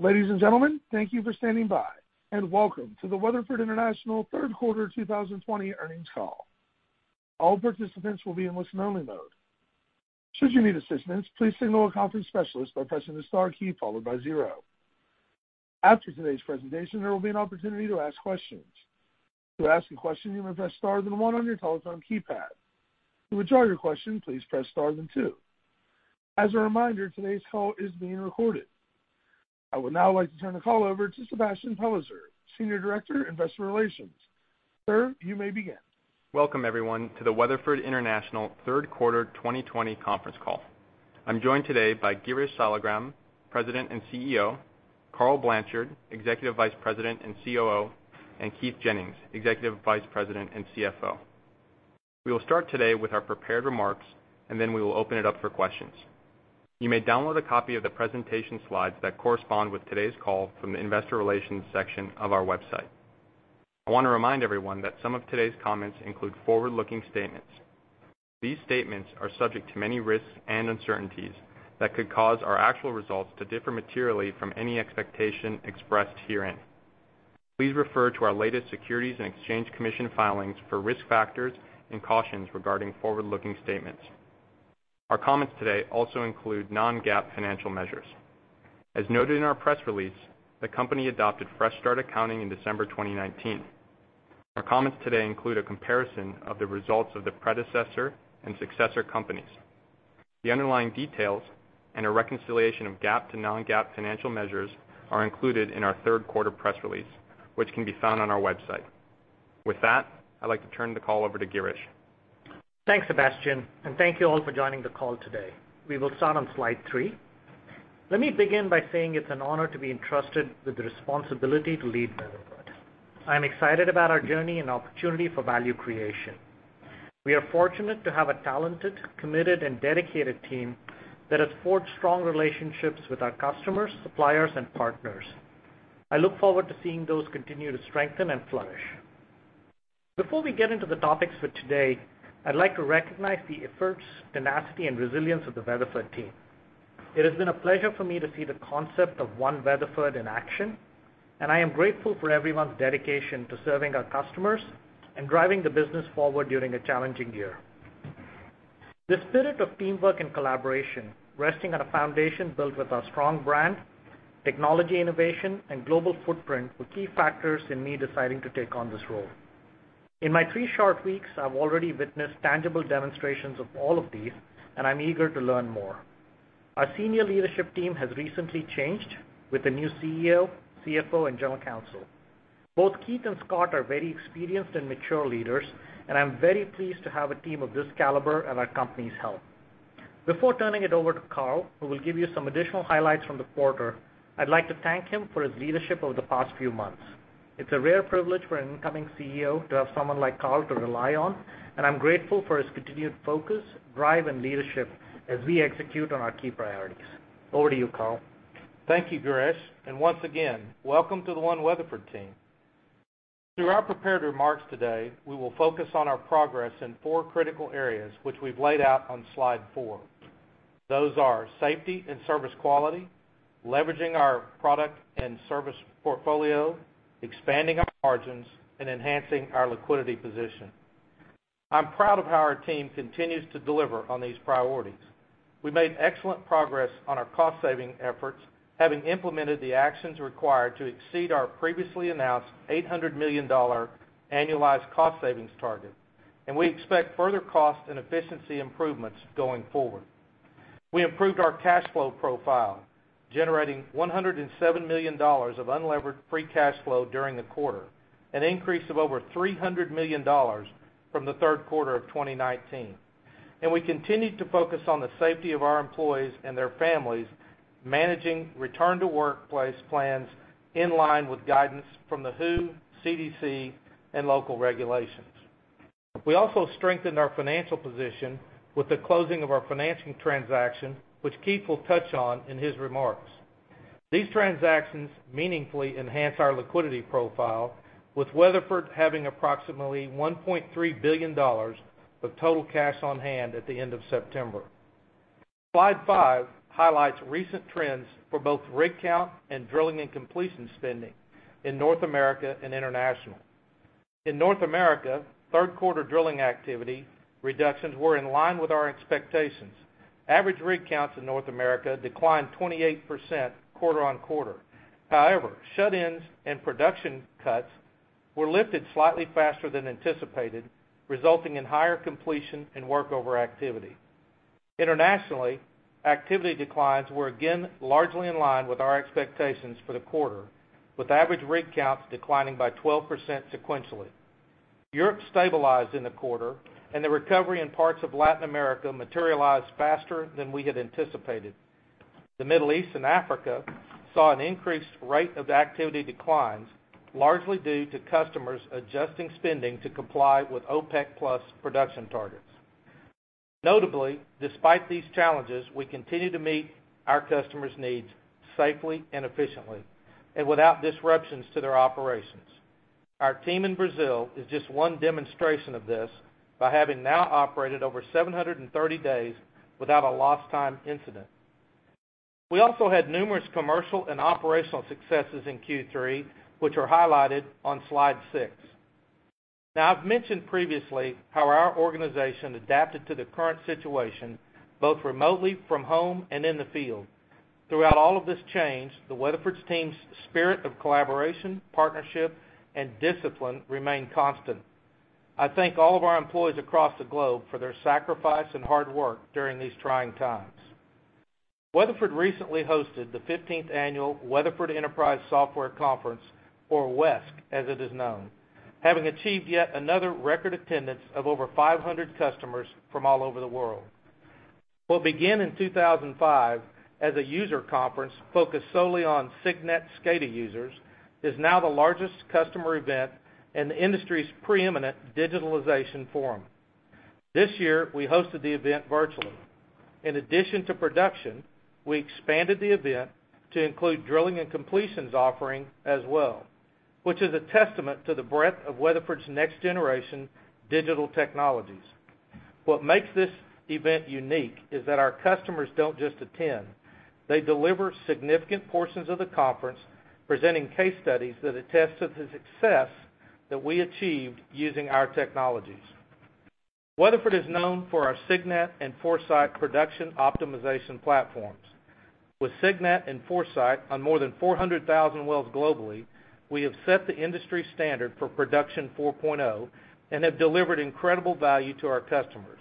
Ladies and gentlemen, thank you for standing by, and welcome to the Weatherford International Third Quarter 2020 Earnings Call. All participants will be in listen-only mode. Should you need assistance, please signal a conference specialist by pressing the star key followed by 0. After today's presentation, there will be an opportunity to ask questions. To ask a question, you may press star then one on your telephone keypad. To withdraw your question, please press star then two. As a reminder, today's call is being recorded. I would now like to turn the call over to Sebastian Pellizzer, Senior Director, Investor Relations. Sir, you may begin. Welcome everyone to the Weatherford International Third Quarter 2020 conference call. I am joined today by Girish Saligram, President and CEO, Karl Blanchard, Executive Vice President and COO, and Keith Jennings, Executive Vice President and CFO. We will start today with our prepared remarks, and then we will open it up for questions. You may download a copy of the presentation slides that correspond with today's call from the investor relations section of our website. I want to remind everyone that some of today's comments include forward-looking statements. These statements are subject to many risks and uncertainties that could cause our actual results to differ materially from any expectation expressed herein. Please refer to our latest Securities and Exchange Commission filings for risk factors and cautions regarding forward-looking statements. Our comments today also include non-GAAP financial measures. As noted in our press release, the company adopted fresh start accounting in December 2019. Our comments today include a comparison of the results of the predecessor and successor companies. The underlying details and a reconciliation of GAAP to non-GAAP financial measures are included in our third quarter press release, which can be found on our website. With that, I would like to turn the call over to Girish. Thanks, Sebastian, and thank you all for joining the call today. We will start on slide 3. Let me begin by saying it is an honor to be entrusted with the responsibility to lead Weatherford. I am excited about our journey and opportunity for value creation. We are fortunate to have a talented, committed, and dedicated team that has forged strong relationships with our customers, suppliers, and partners. I look forward to seeing those continue to strengthen and flourish. Before we get into the topics for today, I would like to recognize the efforts, tenacity, and resilience of the Weatherford team. It has been a pleasure for me to see the concept of One Weatherford in action, and I am grateful for everyone's dedication to serving our customers and driving the business forward during a challenging year. The spirit of teamwork and collaboration, resting on a foundation built with our strong brand, technology innovation, and global footprint were key factors in me deciding to take on this role. In my three short weeks, I've already witnessed tangible demonstrations of all of these, and I'm eager to learn more. Our senior leadership team has recently changed with a new CEO, CFO, and General Counsel. Both Keith and Scott are very experienced and mature leaders, and I'm very pleased to have a team of this caliber at our company's helm. Before turning it over to Karl, who will give you some additional highlights from the quarter, I'd like to thank him for his leadership over the past few months. It's a rare privilege for an incoming CEO to have someone like Karl to rely on. I'm grateful for his continued focus, drive, and leadership as we execute on our key priorities. Over to you, Karl. Thank you, Girish. Once again, welcome to the One Weatherford team. Through our prepared remarks today, we will focus on our progress in four critical areas, which we've laid out on slide four. Those are safety and service quality, leveraging our product and service portfolio, expanding our margins, and enhancing our liquidity position. I'm proud of how our team continues to deliver on these priorities. We made excellent progress on our cost-saving efforts, having implemented the actions required to exceed our previously announced $800 million annualized cost savings target. We expect further cost and efficiency improvements going forward. We improved our cash flow profile, generating $107 million of unlevered free cash flow during the quarter, an increase of over $300 million from the third quarter of 2019. We continued to focus on the safety of our employees and their families, managing return to workplace plans in line with guidance from the WHO, CDC, and local regulations. We also strengthened our financial position with the closing of our financing transaction, which Keith will touch on in his remarks. These transactions meaningfully enhance our liquidity profile with Weatherford having approximately $1.3 billion of total cash on hand at the end of September. Slide five highlights recent trends for both rig count and drilling and completion spending in North America and international. In North America, third quarter drilling activity reductions were in line with our expectations. Average rig counts in North America declined 28% quarter on quarter. Shut-ins and production cuts were lifted slightly faster than anticipated, resulting in higher completion and workover activity. Internationally, activity declines were again largely in line with our expectations for the quarter, with average rig counts declining by 12% sequentially. Europe stabilized in the quarter, and the recovery in parts of Latin America materialized faster than we had anticipated. The Middle East and Africa saw an increased rate of activity declines, largely due to customers adjusting spending to comply with OPEC+ production targets. Notably, despite these challenges, we continue to meet our customers' needs safely and efficiently and without disruptions to their operations. Our team in Brazil is just one demonstration of this by having now operated over 730 days without a lost time incident. We also had numerous commercial and operational successes in Q3, which are highlighted on slide six. I've mentioned previously how our organization adapted to the current situation, both remotely from home and in the field. Throughout all of this change, the Weatherford team's spirit of collaboration, partnership, and discipline remained constant. I thank all of our employees across the globe for their sacrifice and hard work during these trying times. Weatherford recently hosted the 15th Annual Weatherford Enterprise Software Conference, or WESC, as it is known, having achieved yet another record attendance of over 500 customers from all over the world. What began in 2005 as a user conference focused solely on Cygnet SCADA users is now the largest customer event and the industry's preeminent digitalization forum. This year, we hosted the event virtually. In addition to production, we expanded the event to include drilling and completions offering as well, which is a testament to the breadth of Weatherford's next-generation digital technologies. What makes this event unique is that our customers don't just attend, they deliver significant portions of the conference, presenting case studies that attest to the success that we achieved using our technologies. Weatherford is known for our Cygnet and ForeSite production optimization platforms. With Cygnet and ForeSite on more than 400,000 wells globally, we have set the industry standard for Production 4.0 and have delivered incredible value to our customers.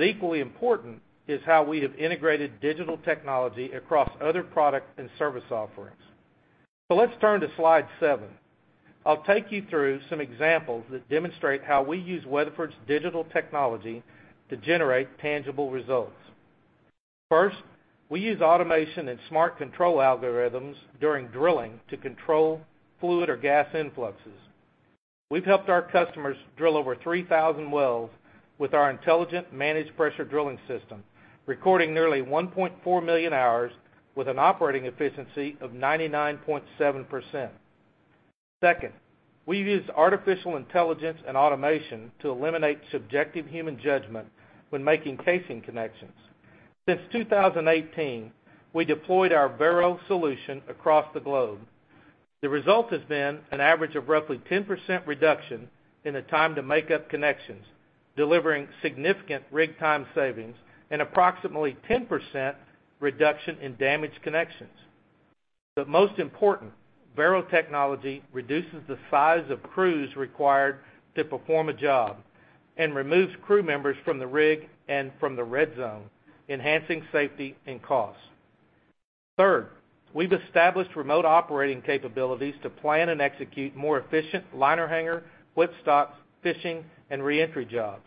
Equally important is how we have integrated digital technology across other product and service offerings. Let's turn to slide seven. I'll take you through some examples that demonstrate how we use Weatherford's digital technology to generate tangible results. First, we use automation and smart control algorithms during drilling to control fluid or gas influxes. We've helped our customers drill over 3,000 wells with our intelligent Managed Pressure Drilling system, recording nearly 1.4 million hours with an operating efficiency of 99.7%. Second, we've used artificial intelligence and automation to eliminate subjective human judgment when making casing connections. Since 2018, we deployed our Vero solution across the globe. The result has been an average of roughly 10% reduction in the time to make up connections, delivering significant rig time savings and approximately 10% reduction in damaged connections. Most important, Vero technology reduces the size of crews required to perform a job and removes crew members from the rig and from the red zone, enhancing safety and costs. Third, we've established remote operating capabilities to plan and execute more efficient liner hanger, whipstock, fishing, and re-entry jobs.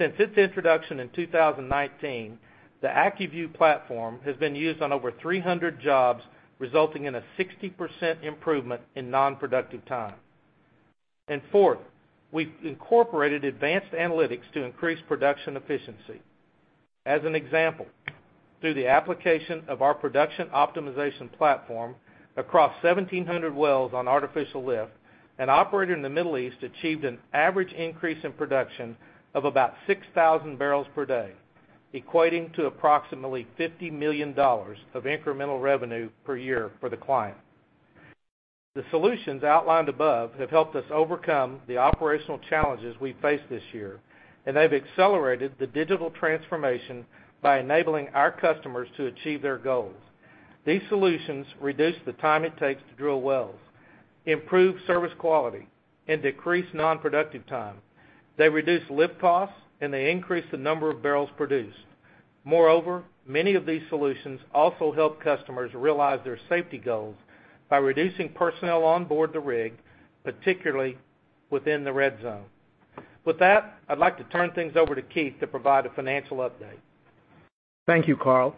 Since its introduction in 2019, the AccuView platform has been used on over 300 jobs, resulting in a 60% improvement in non-productive time. Fourth, we've incorporated advanced analytics to increase production efficiency. As an example, through the application of our production optimization platform across 1,700 wells on artificial lift, an operator in the Middle East achieved an average increase in production of about 6,000 barrels per day, equating to approximately $50 million of incremental revenue per year for the client. The solutions outlined above have helped us overcome the operational challenges we faced this year, they've accelerated the digital transformation by enabling our customers to achieve their goals. These solutions reduce the time it takes to drill wells, improve service quality, and decrease non-productive time. They reduce lift costs, and they increase the number of barrels produced. Moreover, many of these solutions also help customers realize their safety goals by reducing personnel on board the rig, particularly within the red zone. With that, I'd like to turn things over to Keith to provide a financial update. Thank you, Karl.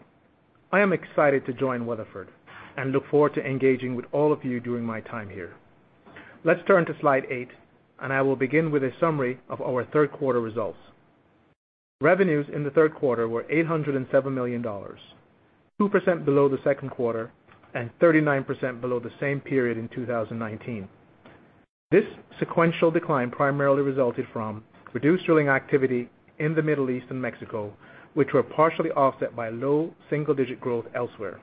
I am excited to join Weatherford and look forward to engaging with all of you during my time here. Let's turn to slide eight, and I will begin with a summary of our third quarter results. Revenues in the third quarter were $807 million, 2% below the second quarter and 39% below the same period in 2019. This sequential decline primarily resulted from reduced drilling activity in the Middle East and Mexico, which were partially offset by low single-digit growth elsewhere.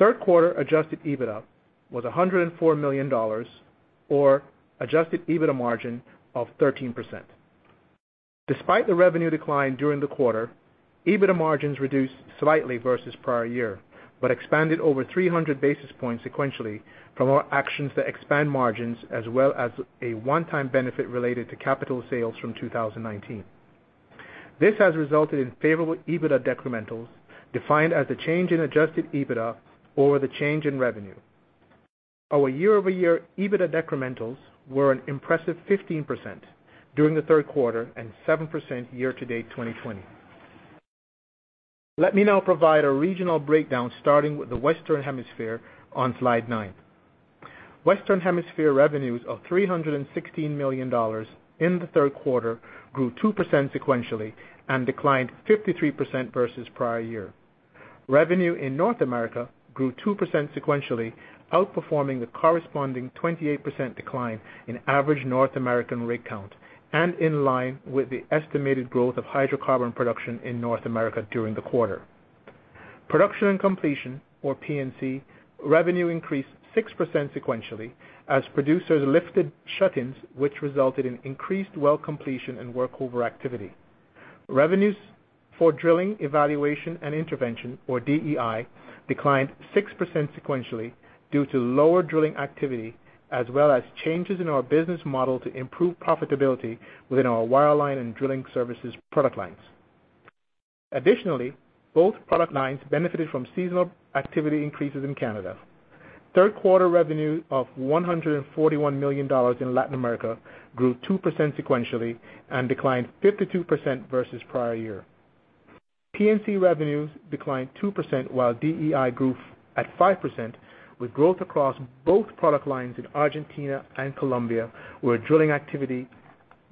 Third quarter adjusted EBITDA was $104 million or adjusted EBITDA margin of 13%. Despite the revenue decline during the quarter, EBITDA margins reduced slightly versus prior year, but expanded over 300 basis points sequentially from our actions to expand margins as well as a one-time benefit related to capital sales from 2019. This has resulted in favorable EBITDA decrementals, defined as the change in adjusted EBITDA over the change in revenue. Our year-over-year EBITDA decrementals were an impressive 15% during the third quarter and 7% year-to-date 2020. Let me now provide a regional breakdown, starting with the Western Hemisphere on slide nine. Western Hemisphere revenues of $316 million in the third quarter grew 2% sequentially and declined 53% versus prior year. Revenue in North America grew 2% sequentially, outperforming the corresponding 28% decline in average North American rig count and in line with the estimated growth of hydrocarbon production in North America during the quarter. Production and Completion, or P&C, revenue increased 6% sequentially as producers lifted shut-ins, which resulted in increased well completion and workover activity. Revenues for drilling evaluation and intervention, or DEI, declined 6% sequentially due to lower drilling activity, as well as changes in our business model to improve profitability within our wireline and drilling services product lines. Additionally, both product lines benefited from seasonal activity increases in Canada. Third quarter revenue of $141 million in Latin America grew 2% sequentially and declined 52% versus the prior year. P&C revenues declined 2%, while DEI grew at 5%, with growth across both product lines in Argentina and Colombia, where drilling activity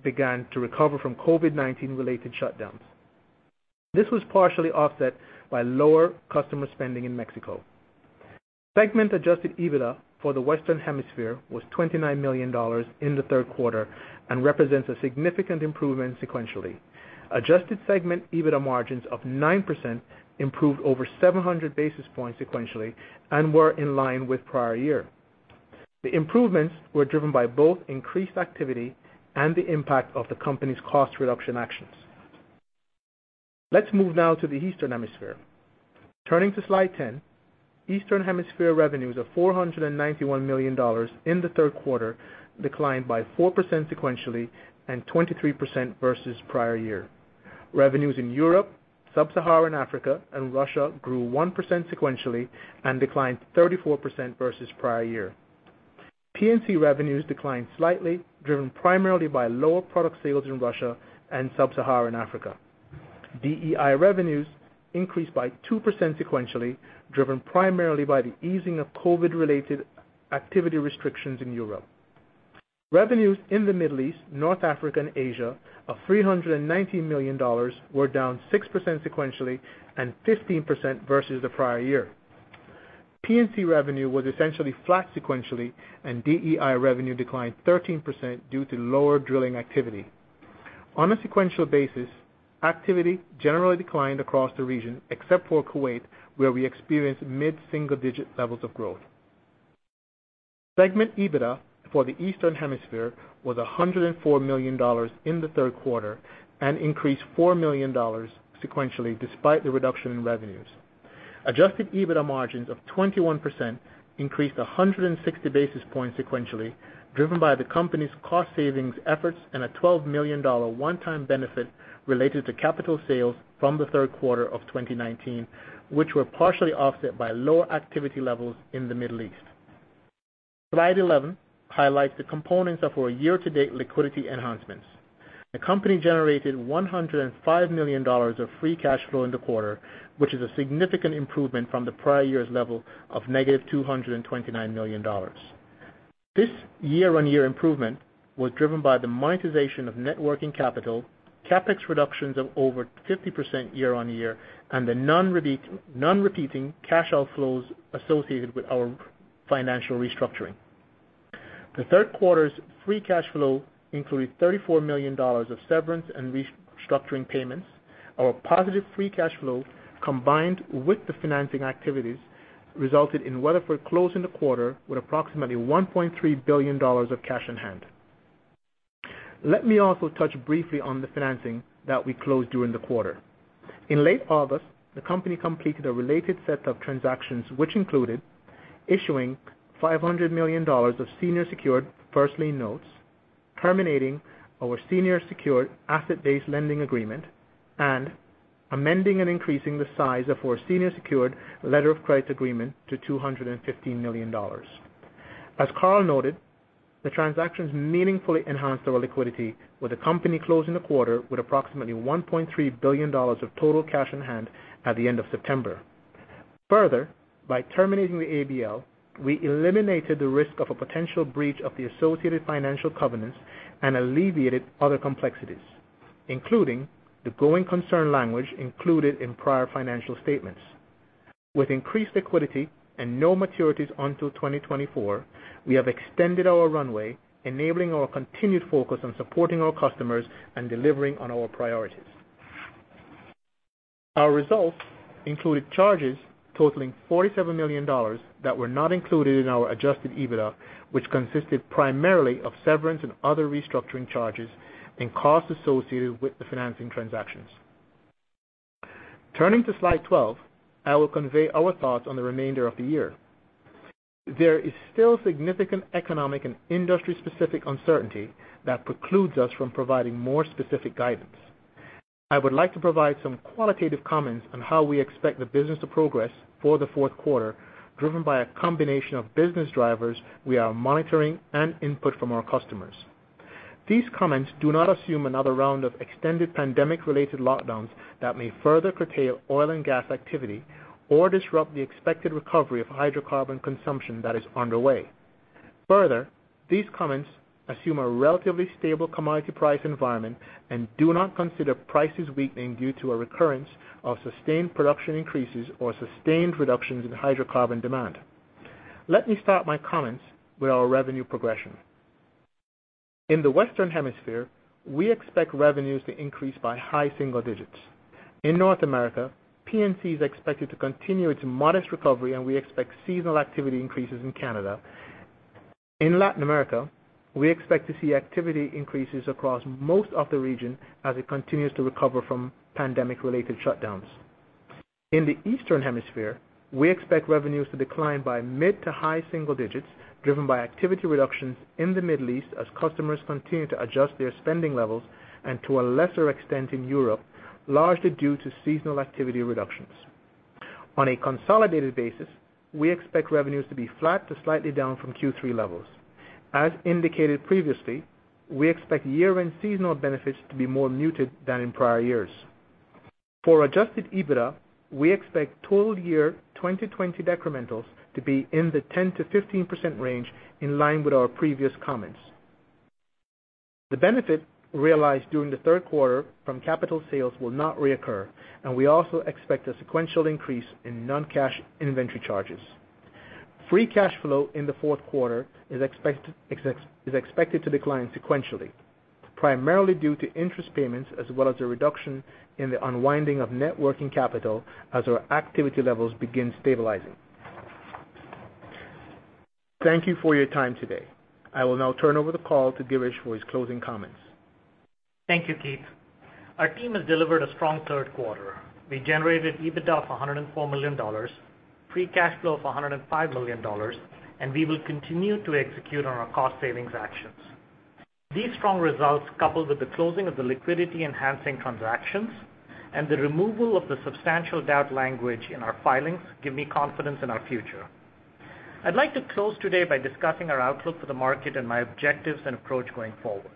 began to recover from COVID-19 related shutdowns. This was partially offset by lower customer spending in Mexico. Segment adjusted EBITDA for the Western Hemisphere was $29 million in the third quarter and represents a significant improvement sequentially. Adjusted segment EBITDA margins of 9% improved over 700 basis points sequentially and were in line with the prior year. The improvements were driven by both increased activity and the impact of the company's cost reduction actions. Let's move now to the Eastern Hemisphere. Turning to slide 10, Eastern Hemisphere revenues of $491 million in the third quarter declined by 4% sequentially and 23% versus the prior year. Revenues in Europe, Sub-Saharan Africa, and Russia grew 1% sequentially and declined 34% versus the prior year. P&C revenues declined slightly, driven primarily by lower product sales in Russia and Sub-Saharan Africa. DEI revenues increased by 2% sequentially, driven primarily by the easing of COVID-related activity restrictions in Europe. Revenues in the Middle East, North Africa, and Asia of $319 million were down 6% sequentially and 15% versus the prior year. P&C revenue was essentially flat sequentially, and DEI revenue declined 13% due to lower drilling activity. On a sequential basis, activity generally declined across the region, except for Kuwait, where we experienced mid-single-digit levels of growth. Segment EBITDA for the Eastern Hemisphere was $104 million in the third quarter and increased $4 million sequentially, despite the reduction in revenues. Adjusted EBITDA margins of 21% increased 160 basis points sequentially, driven by the company's cost savings efforts and a $12 million one-time benefit related to capital sales from the third quarter of 2019, which were partially offset by lower activity levels in the Middle East. Slide 11 highlights the components of our year-to-date liquidity enhancements. The company generated $105 million of free cash flow in the quarter, which is a significant improvement from the prior year's level of negative $229 million. This year-on-year improvement was driven by the monetization of net working capital, CapEx reductions of over 50% year-on-year, and the non-repeating cash outflows associated with our financial restructuring. The third quarter's free cash flow included $34 million of severance and restructuring payments. Our positive free cash flow, combined with the financing activities, resulted in Weatherford closing the quarter with approximately $1.3 billion of cash on hand. Let me also touch briefly on the financing that we closed during the quarter. In late August, the company completed a related set of transactions which included issuing $500 million of senior secured first lien notes, terminating our senior secured asset-based lending agreement, and amending and increasing the size of our senior secured letter of credit agreement to $215 million. As Karl noted, the transactions meaningfully enhanced our liquidity, with the company closing the quarter with approximately $1.3 billion of total cash on hand at the end of September. Further, by terminating the ABL, we eliminated the risk of a potential breach of the associated financial covenants and alleviated other complexities, including the going concern language included in prior financial statements. With increased liquidity and no maturities until 2024, we have extended our runway, enabling our continued focus on supporting our customers and delivering on our priorities. Our results included charges totaling $47 million that were not included in our adjusted EBITDA, which consisted primarily of severance and other restructuring charges and costs associated with the financing transactions. Turning to slide 12, I will convey our thoughts on the remainder of the year. There is still significant economic and industry-specific uncertainty that precludes us from providing more specific guidance. I would like to provide some qualitative comments on how we expect the business to progress for the fourth quarter, driven by a combination of business drivers we are monitoring and input from our customers. These comments do not assume another round of extended pandemic-related lockdowns that may further curtail oil and gas activity or disrupt the expected recovery of hydrocarbon consumption that is underway. Further, these comments assume a relatively stable commodity price environment and do not consider prices weakening due to a recurrence of sustained production increases or sustained reductions in hydrocarbon demand. Let me start my comments with our revenue progression. In the Western Hemisphere, we expect revenues to increase by high single digits. In North America, P&C is expected to continue its modest recovery, and we expect seasonal activity increases in Canada. In Latin America, we expect to see activity increases across most of the region as it continues to recover from pandemic-related shutdowns. In the Eastern Hemisphere, we expect revenues to decline by mid to high single digits, driven by activity reductions in the Middle East as customers continue to adjust their spending levels, and to a lesser extent in Europe, largely due to seasonal activity reductions. On a consolidated basis, we expect revenues to be flat to slightly down from Q3 levels. As indicated previously, we expect year-end seasonal benefits to be more muted than in prior years. For adjusted EBITDA, we expect total year 2020 decrementals to be in the 10%-15% range, in line with our previous comments. The benefit realized during the third quarter from capital sales will not reoccur, and we also expect a sequential increase in non-cash inventory charges. Free cash flow in the fourth quarter is expected to decline sequentially, primarily due to interest payments as well as a reduction in the unwinding of net working capital as our activity levels begin stabilizing. Thank you for your time today. I will now turn over the call to Girish for his closing comments. Thank you, Keith. Our team has delivered a strong third quarter. We generated EBITDA of $104 million, free cash flow of $105 million, and we will continue to execute on our cost savings actions. These strong results, coupled with the closing of the liquidity enhancing transactions and the removal of the substantial doubt language in our filings, give me confidence in our future. I'd like to close today by discussing our outlook for the market and my objectives and approach going forward.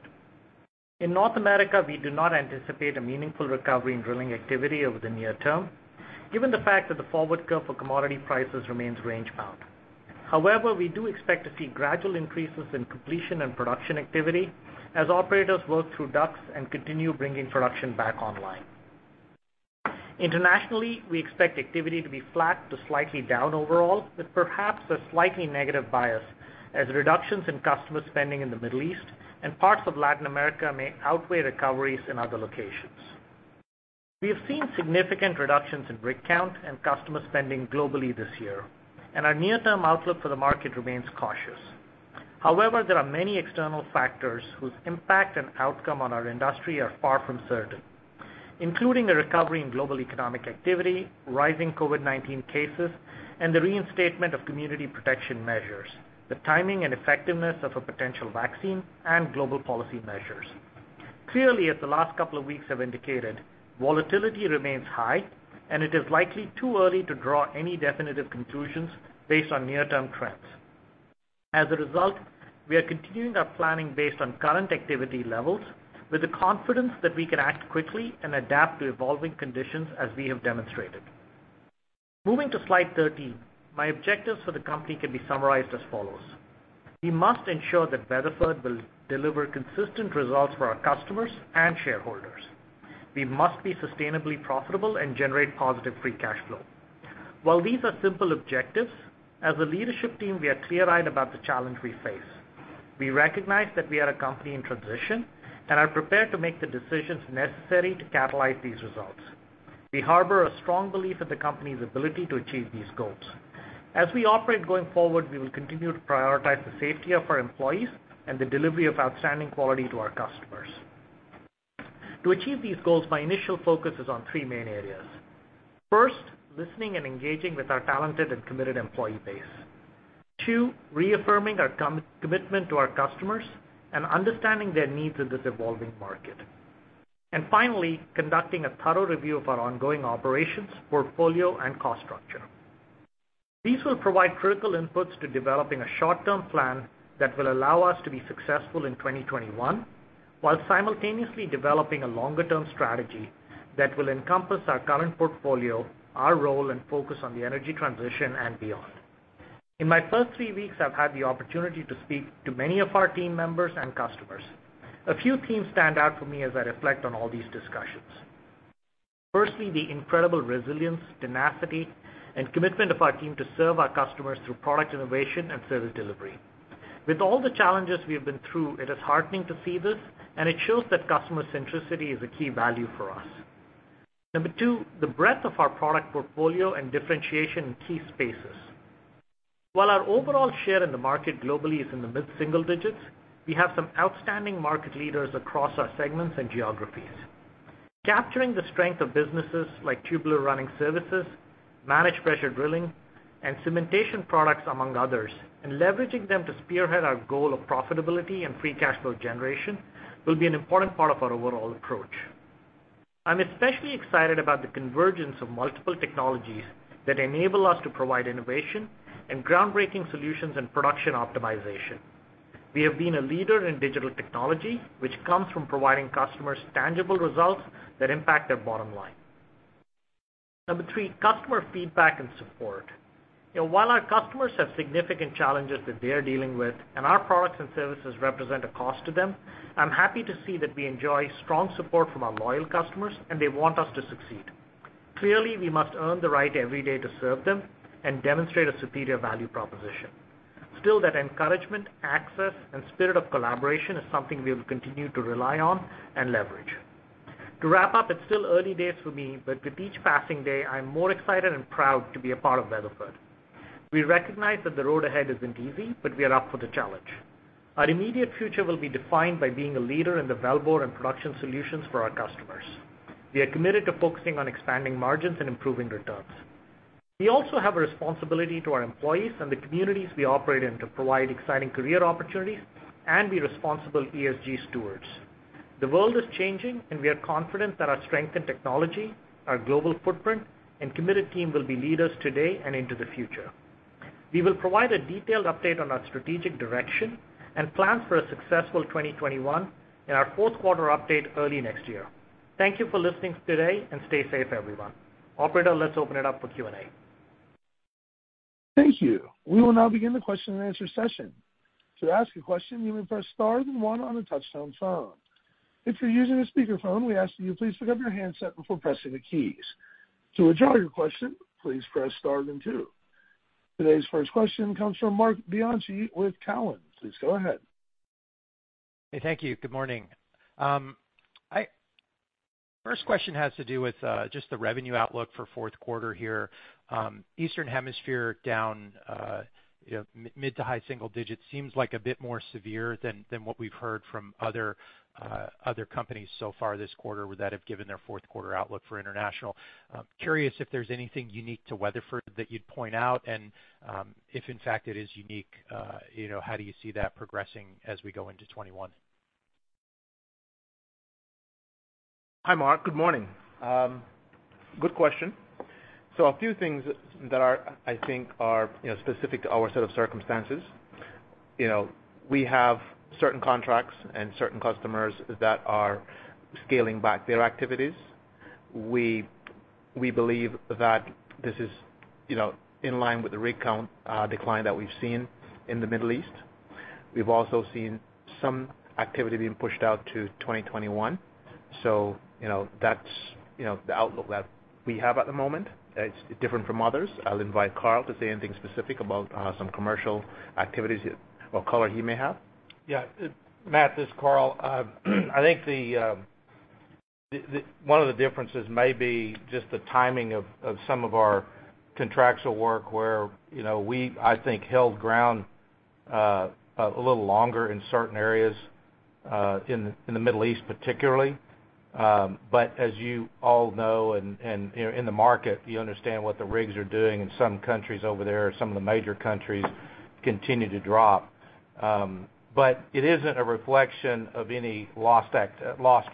In North America, we do not anticipate a meaningful recovery in drilling activity over the near term, given the fact that the forward curve for commodity prices remains range-bound. However, we do expect to see gradual increases in completion and production activity as operators work through DUCs and continue bringing production back online. Internationally, we expect activity to be flat to slightly down overall, with perhaps a slightly negative bias as reductions in customer spending in the Middle East and parts of Latin America may outweigh recoveries in other locations. Our near-term outlook for the market remains cautious. However, there are many external factors whose impact and outcome on our industry are far from certain, including the recovery in global economic activity, rising COVID-19 cases, and the reinstatement of community protection measures, the timing and effectiveness of a potential vaccine, and global policy measures. Clearly, as the last couple of weeks have indicated, volatility remains high, and it is likely too early to draw any definitive conclusions based on near-term trends. As a result, we are continuing our planning based on current activity levels with the confidence that we can act quickly and adapt to evolving conditions as we have demonstrated. Moving to slide 13, my objectives for the company can be summarized as follows. We must ensure that Weatherford will deliver consistent results for our customers and shareholders. We must be sustainably profitable and generate positive free cash flow. While these are simple objectives, as a leadership team we are clear-eyed about the challenge we face. We recognize that we are a company in transition and are prepared to make the decisions necessary to catalyze these results. We harbor a strong belief in the company's ability to achieve these goals. As we operate going forward, we will continue to prioritize the safety of our employees and the delivery of outstanding quality to our customers. To achieve these goals, my initial focus is on three main areas. First, listening and engaging with our talented and committed employee base. Two, reaffirming our commitment to our customers and understanding their needs in this evolving market. Finally, conducting a thorough review of our ongoing operations, portfolio, and cost structure. These will provide critical inputs to developing a short-term plan that will allow us to be successful in 2021 while simultaneously developing a longer-term strategy that will encompass our current portfolio, our role, and focus on the energy transition and beyond. In my first three weeks, I've had the opportunity to speak to many of our team members and customers. A few themes stand out for me as I reflect on all these discussions. Firstly, the incredible resilience, tenacity, and commitment of our team to serve our customers through product innovation and service delivery. With all the challenges we have been through, it is heartening to see this. It shows that customer centricity is a key value for us. Number two, the breadth of our product portfolio and differentiation in key spaces. While our overall share in the market globally is in the mid-single digits, we have some outstanding market leaders across our segments and geographies. Capturing the strength of businesses like Tubular Running Services, Managed Pressure Drilling, and Cementation Products, among others, and leveraging them to spearhead our goal of profitability and free cash flow generation will be an important part of our overall approach. I'm especially excited about the convergence of multiple technologies that enable us to provide innovation and groundbreaking solutions in production optimization. We have been a leader in digital technology, which comes from providing customers tangible results that impact their bottom line. Number three, customer feedback and support. While our customers have significant challenges that they're dealing with, our products and services represent a cost to them, I'm happy to see that we enjoy strong support from our loyal customers. They want us to succeed. Clearly, we must earn the right every day to serve them and demonstrate a superior value proposition. Still, that encouragement, access, and spirit of collaboration is something we will continue to rely on and leverage. To wrap up, it's still early days for me. With each passing day, I'm more excited and proud to be a part of Weatherford. We recognize that the road ahead isn't easy. We are up for the challenge. Our immediate future will be defined by being a leader in the well bore and production solutions for our customers. We are committed to focusing on expanding margins and improving returns. We also have a responsibility to our employees and the communities we operate in to provide exciting career opportunities and be responsible ESG stewards. The world is changing. We are confident that our strength in technology, our global footprint, and committed team will be leaders today and into the future. We will provide a detailed update on our strategic direction and plans for a successful 2021 in our fourth quarter update early next year. Thank you for listening today. Stay safe, everyone. Operator, let's open it up for Q&A. Thank you. We will now begin the question and answer session. To ask a question, you may press star then one on a touchtone phone. If you're using a speakerphone, we ask that you please pick up your handset before pressing the keys. To withdraw your question, please press star then two. Today's first question comes from Marc Bianchi with Cowen. Please go ahead. Hey, thank you. Good morning. First question has to do with just the revenue outlook for fourth quarter here. Eastern Hemisphere down mid to high single digits seems like a bit more severe than what we've heard from other companies so far this quarter that have given their fourth quarter outlook for international. Curious if there's anything unique to Weatherford that you'd point out, and if in fact it is unique, how do you see that progressing as we go into 2021? Hi, Marc. Good morning. Good question. A few things that I think are specific to our set of circumstances. We have certain contracts and certain customers that are scaling back their activities. We believe that this is in line with the rig count decline that we've seen in the Middle East. We've also seen some activity being pushed out to 2021. That's the outlook that we have at the moment. It's different from others. I'll invite Karl to say anything specific about some commercial activities or color he may have. Yeah. Marc, this is Karl. I think one of the differences may be just the timing of some of our contractual work where we, I think, held ground a little longer in certain areas, in the Middle East particularly. As you all know and in the market, you understand what the rigs are doing in some countries over there, some of the major countries continue to drop. It isn't a reflection of any lost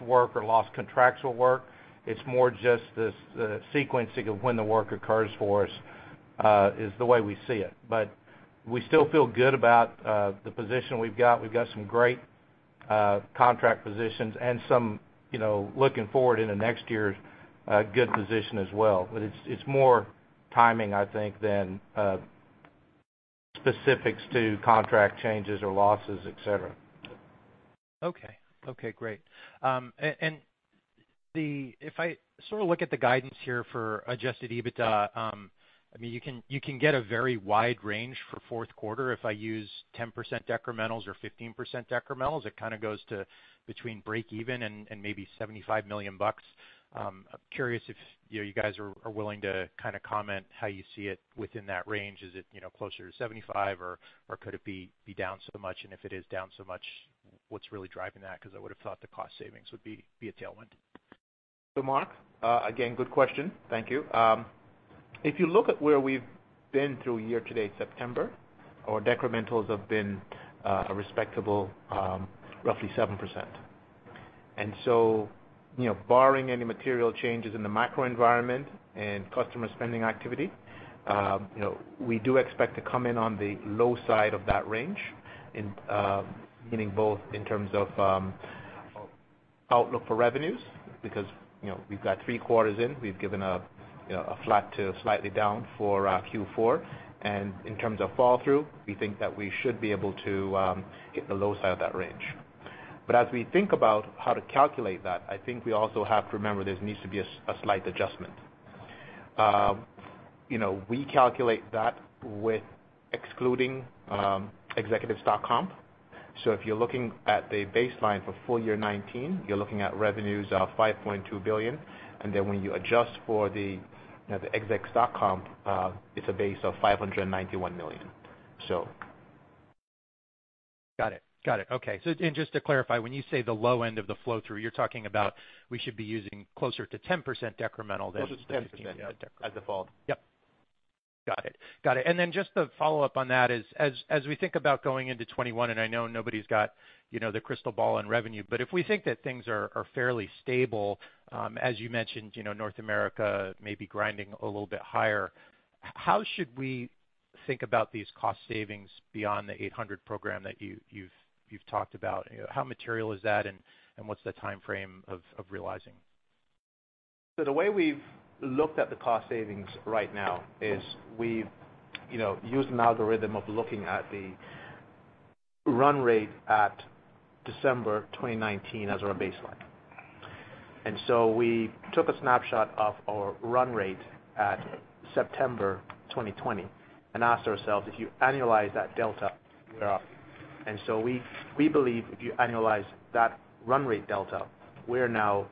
work or lost contractual work. It's more just the sequencing of when the work occurs for us, is the way we see it. We still feel good about the position we've got. We've got some great contract positions and some looking forward into next year, good position as well. It's more timing, I think, than specifics to contract changes or losses, et cetera. Okay. Okay, great. If I look at the guidance here for adjusted EBITDA, you can get a very wide range for fourth quarter if I use 10% decrementals or 15% decrementals. It kind of goes to between break even and maybe $75 million. I'm curious if you guys are willing to comment how you see it within that range. Is it closer to $75 or could it be down so much? If it is down so much, what's really driving that? Because I would have thought the cost savings would be a tailwind. Marc, again, good question. Thank you. If you look at where we've been through year to date September, our decrementals have been a respectable roughly 7%. Barring any material changes in the macro environment and customer spending activity, we do expect to come in on the low side of that range, meaning both in terms of outlook for revenues, because we've got three quarters in. We've given a flat to slightly down for Q4. In terms of fall through, we think that we should be able to hit the low side of that range. As we think about how to calculate that, I think we also have to remember there needs to be a slight adjustment. We calculate that with excluding exit costs and other. If you're looking at the baseline for full year 2019, you're looking at revenues of $5.2 billion, then when you adjust for the exit costs and other, it's a base of $591 million. Got it. Got it. Okay. Just to clarify, when you say the low end of the flow through, you're talking about we should be using closer to 10% decremental. Closer to 10%, yeah. As a default. Yep. Got it. Got it. Just to follow up on that is, as we think about going into 2021, I know nobody's got the crystal ball on revenue, if we think that things are fairly stable, as you mentioned, North America may be grinding a little bit higher. How should we think about these cost savings beyond the $800 million program that you've talked about? How material is that, and what's the timeframe of realizing? The way we've looked at the cost savings right now is we've used an algorithm of looking at the run rate at December 2019 as our baseline. We took a snapshot of our run rate at September 2020 and asked ourselves, "If you annualize that delta, where are we?" We believe if you annualize that run rate delta, we are now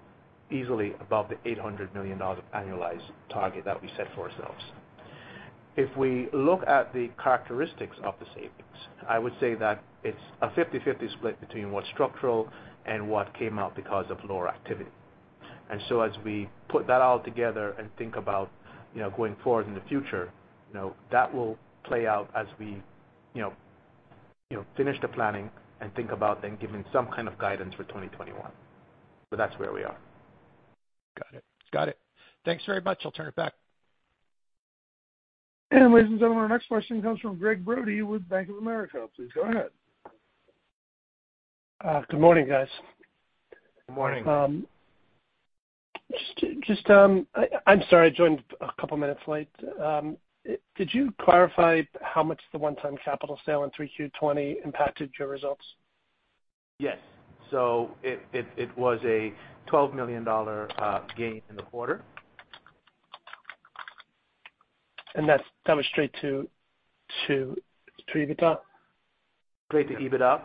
easily above the $800 million annualized target that we set for ourselves. If we look at the characteristics of the savings, I would say that it's a 50/50 split between what's structural and what came out because of lower activity. As we put that all together and think about going forward in the future, that will play out as we finish the planning and think about then giving some kind of guidance for 2021. That's where we are. Got it. Thanks very much. I'll turn it back. Ladies and gentlemen, our next question comes from Gregg Brody with Bank of America. Please go ahead. Good morning, guys. Good morning. I'm sorry, I joined a couple of minutes late. Did you clarify how much the one-time capital sale in Q3 2020 impacted your results? Yes. It was a $12 million gain in the quarter. That's coming straight to pre-EBITDA? Straight to EBITDA.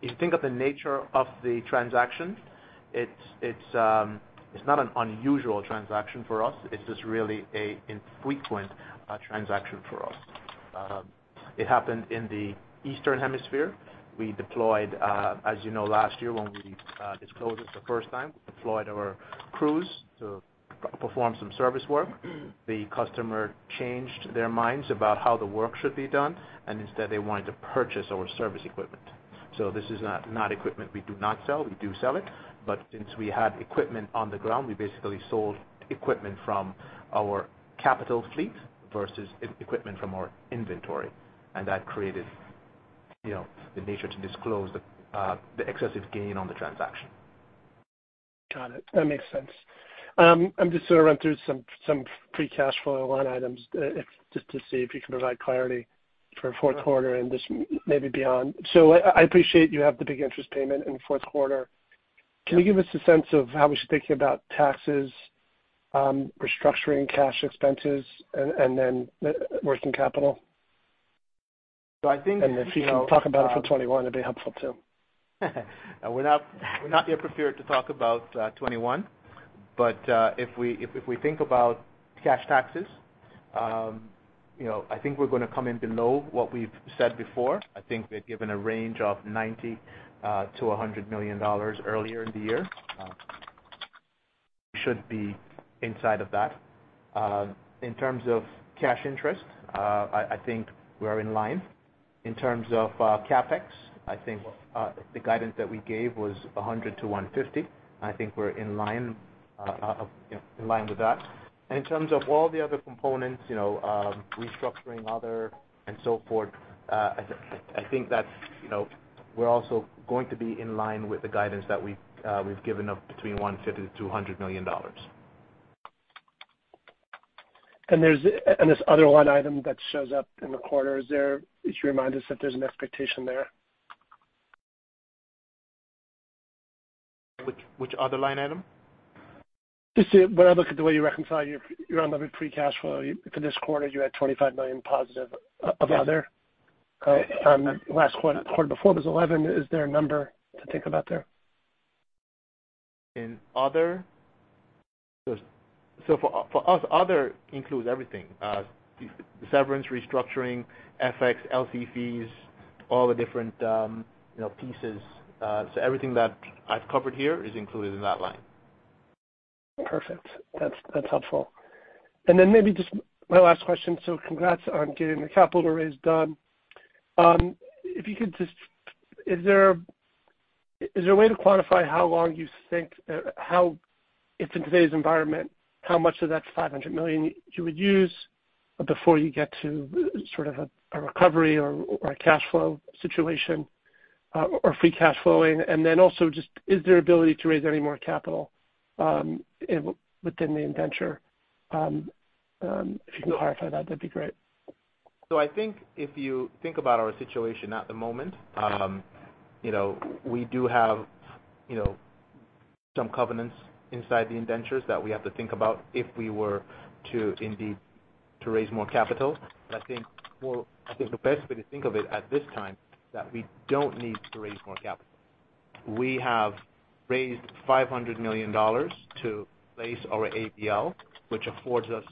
You think of the nature of the transaction, it's not an unusual transaction for us. It's just really an infrequent transaction for us. It happened in the Eastern hemisphere. We deployed, as you know, last year when we disclosed it the first time, we deployed our crews to perform some service work. The customer changed their minds about how the work should be done, and instead they wanted to purchase our service equipment. This is not equipment we do not sell. We do sell it, but since we had equipment on the ground, we basically sold equipment from our capital fleet versus equipment from our inventory. That created the nature to disclose the excessive gain on the transaction. Got it. That makes sense. I'm just going to run through some free cash flow line items, just to see if you can provide clarity for fourth quarter and just maybe beyond. I appreciate you have the big interest payment in the fourth quarter. Can you give us a sense of how we should think about taxes, restructuring cash expenses, and then working capital? I think. If you can talk about it for 2021, it'd be helpful too. We're not yet prepared to talk about 2021. If we think about cash taxes, I think we're going to come in below what we've said before. I think we had given a range of $90 million-$100 million earlier in the year. We should be inside of that. In terms of cash interest, I think we're in line. In terms of CapEx, I think the guidance that we gave was $100 to $150. I think we're in line with that. In terms of all the other components, restructuring, other, and so forth, I think that we're also going to be in line with the guidance that we've given of between $150 million-$200 million. This other line item that shows up in the quarter, could you remind us if there's an expectation there? Which other line item? When I look at the way you reconcile your unlevered free cash flow for this quarter, you had $25 million positive of other. Yes. The quarter before it was 11. Is there a number to think about there? In other? For us, other includes everything. Severance, restructuring, FX, LC fees, all the different pieces. Everything that I've covered here is included in that line. Perfect. That's helpful. Maybe just my last question, congrats on getting the capital raise done. Is there a way to quantify how long you think? If in today's environment, how much of that $500 million you would use before you get to sort of a recovery or a cash flow situation, or free cash flowing? Also just, is there ability to raise any more capital within the indenture? If you can clarify that'd be great. If you think about our situation at the moment, we do have some covenants inside the indentures that we have to think about if we were to indeed raise more capital. I think the best way to think of it at this time is that we don't need to raise more capital. We have raised $500 million to place our ABL, which affords us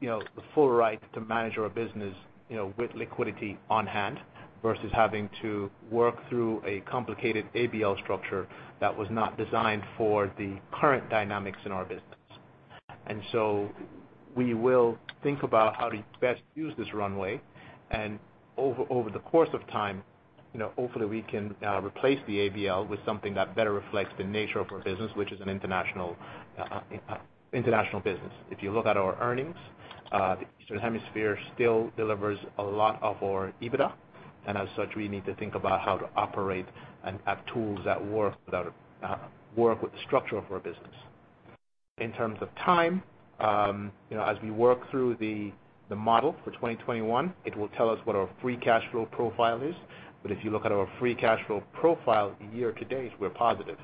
the full right to manage our business with liquidity on hand versus having to work through a complicated ABL structure that was not designed for the current dynamics in our business. We will think about how to best use this runway and over the course of time, hopefully we can replace the ABL with something that better reflects the nature of our business, which is an international business. If you look at our earnings, the Eastern hemisphere still delivers a lot of our EBITDA, as such, we need to think about how to operate and have tools that work with the structure of our business. In terms of time, as we work through the model for 2021, it will tell us what our free cash flow profile is. If you look at our free cash flow profile year to date, we're positive.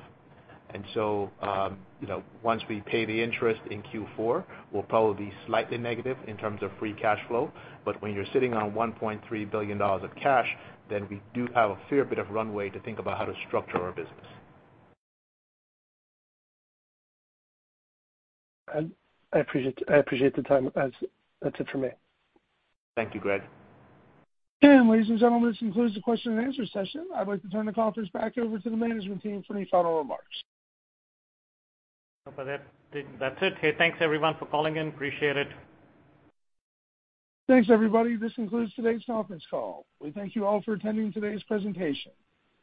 Once we pay the interest in Q4, we'll probably be slightly negative in terms of free cash flow. When you're sitting on $1.3 billion of cash, we do have a fair bit of runway to think about how to structure our business. I appreciate the time. That's it for me. Thank you, Gregg. Ladies and gentlemen, this concludes the question and answer session. I'd like to turn the conference back over to the management team for any final remarks. That's it. Hey, thanks everyone for calling in. Appreciate it. Thanks, everybody. This concludes today's conference call. We thank you all for attending today's presentation.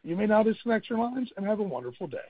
You may now disconnect your lines, and have a wonderful day.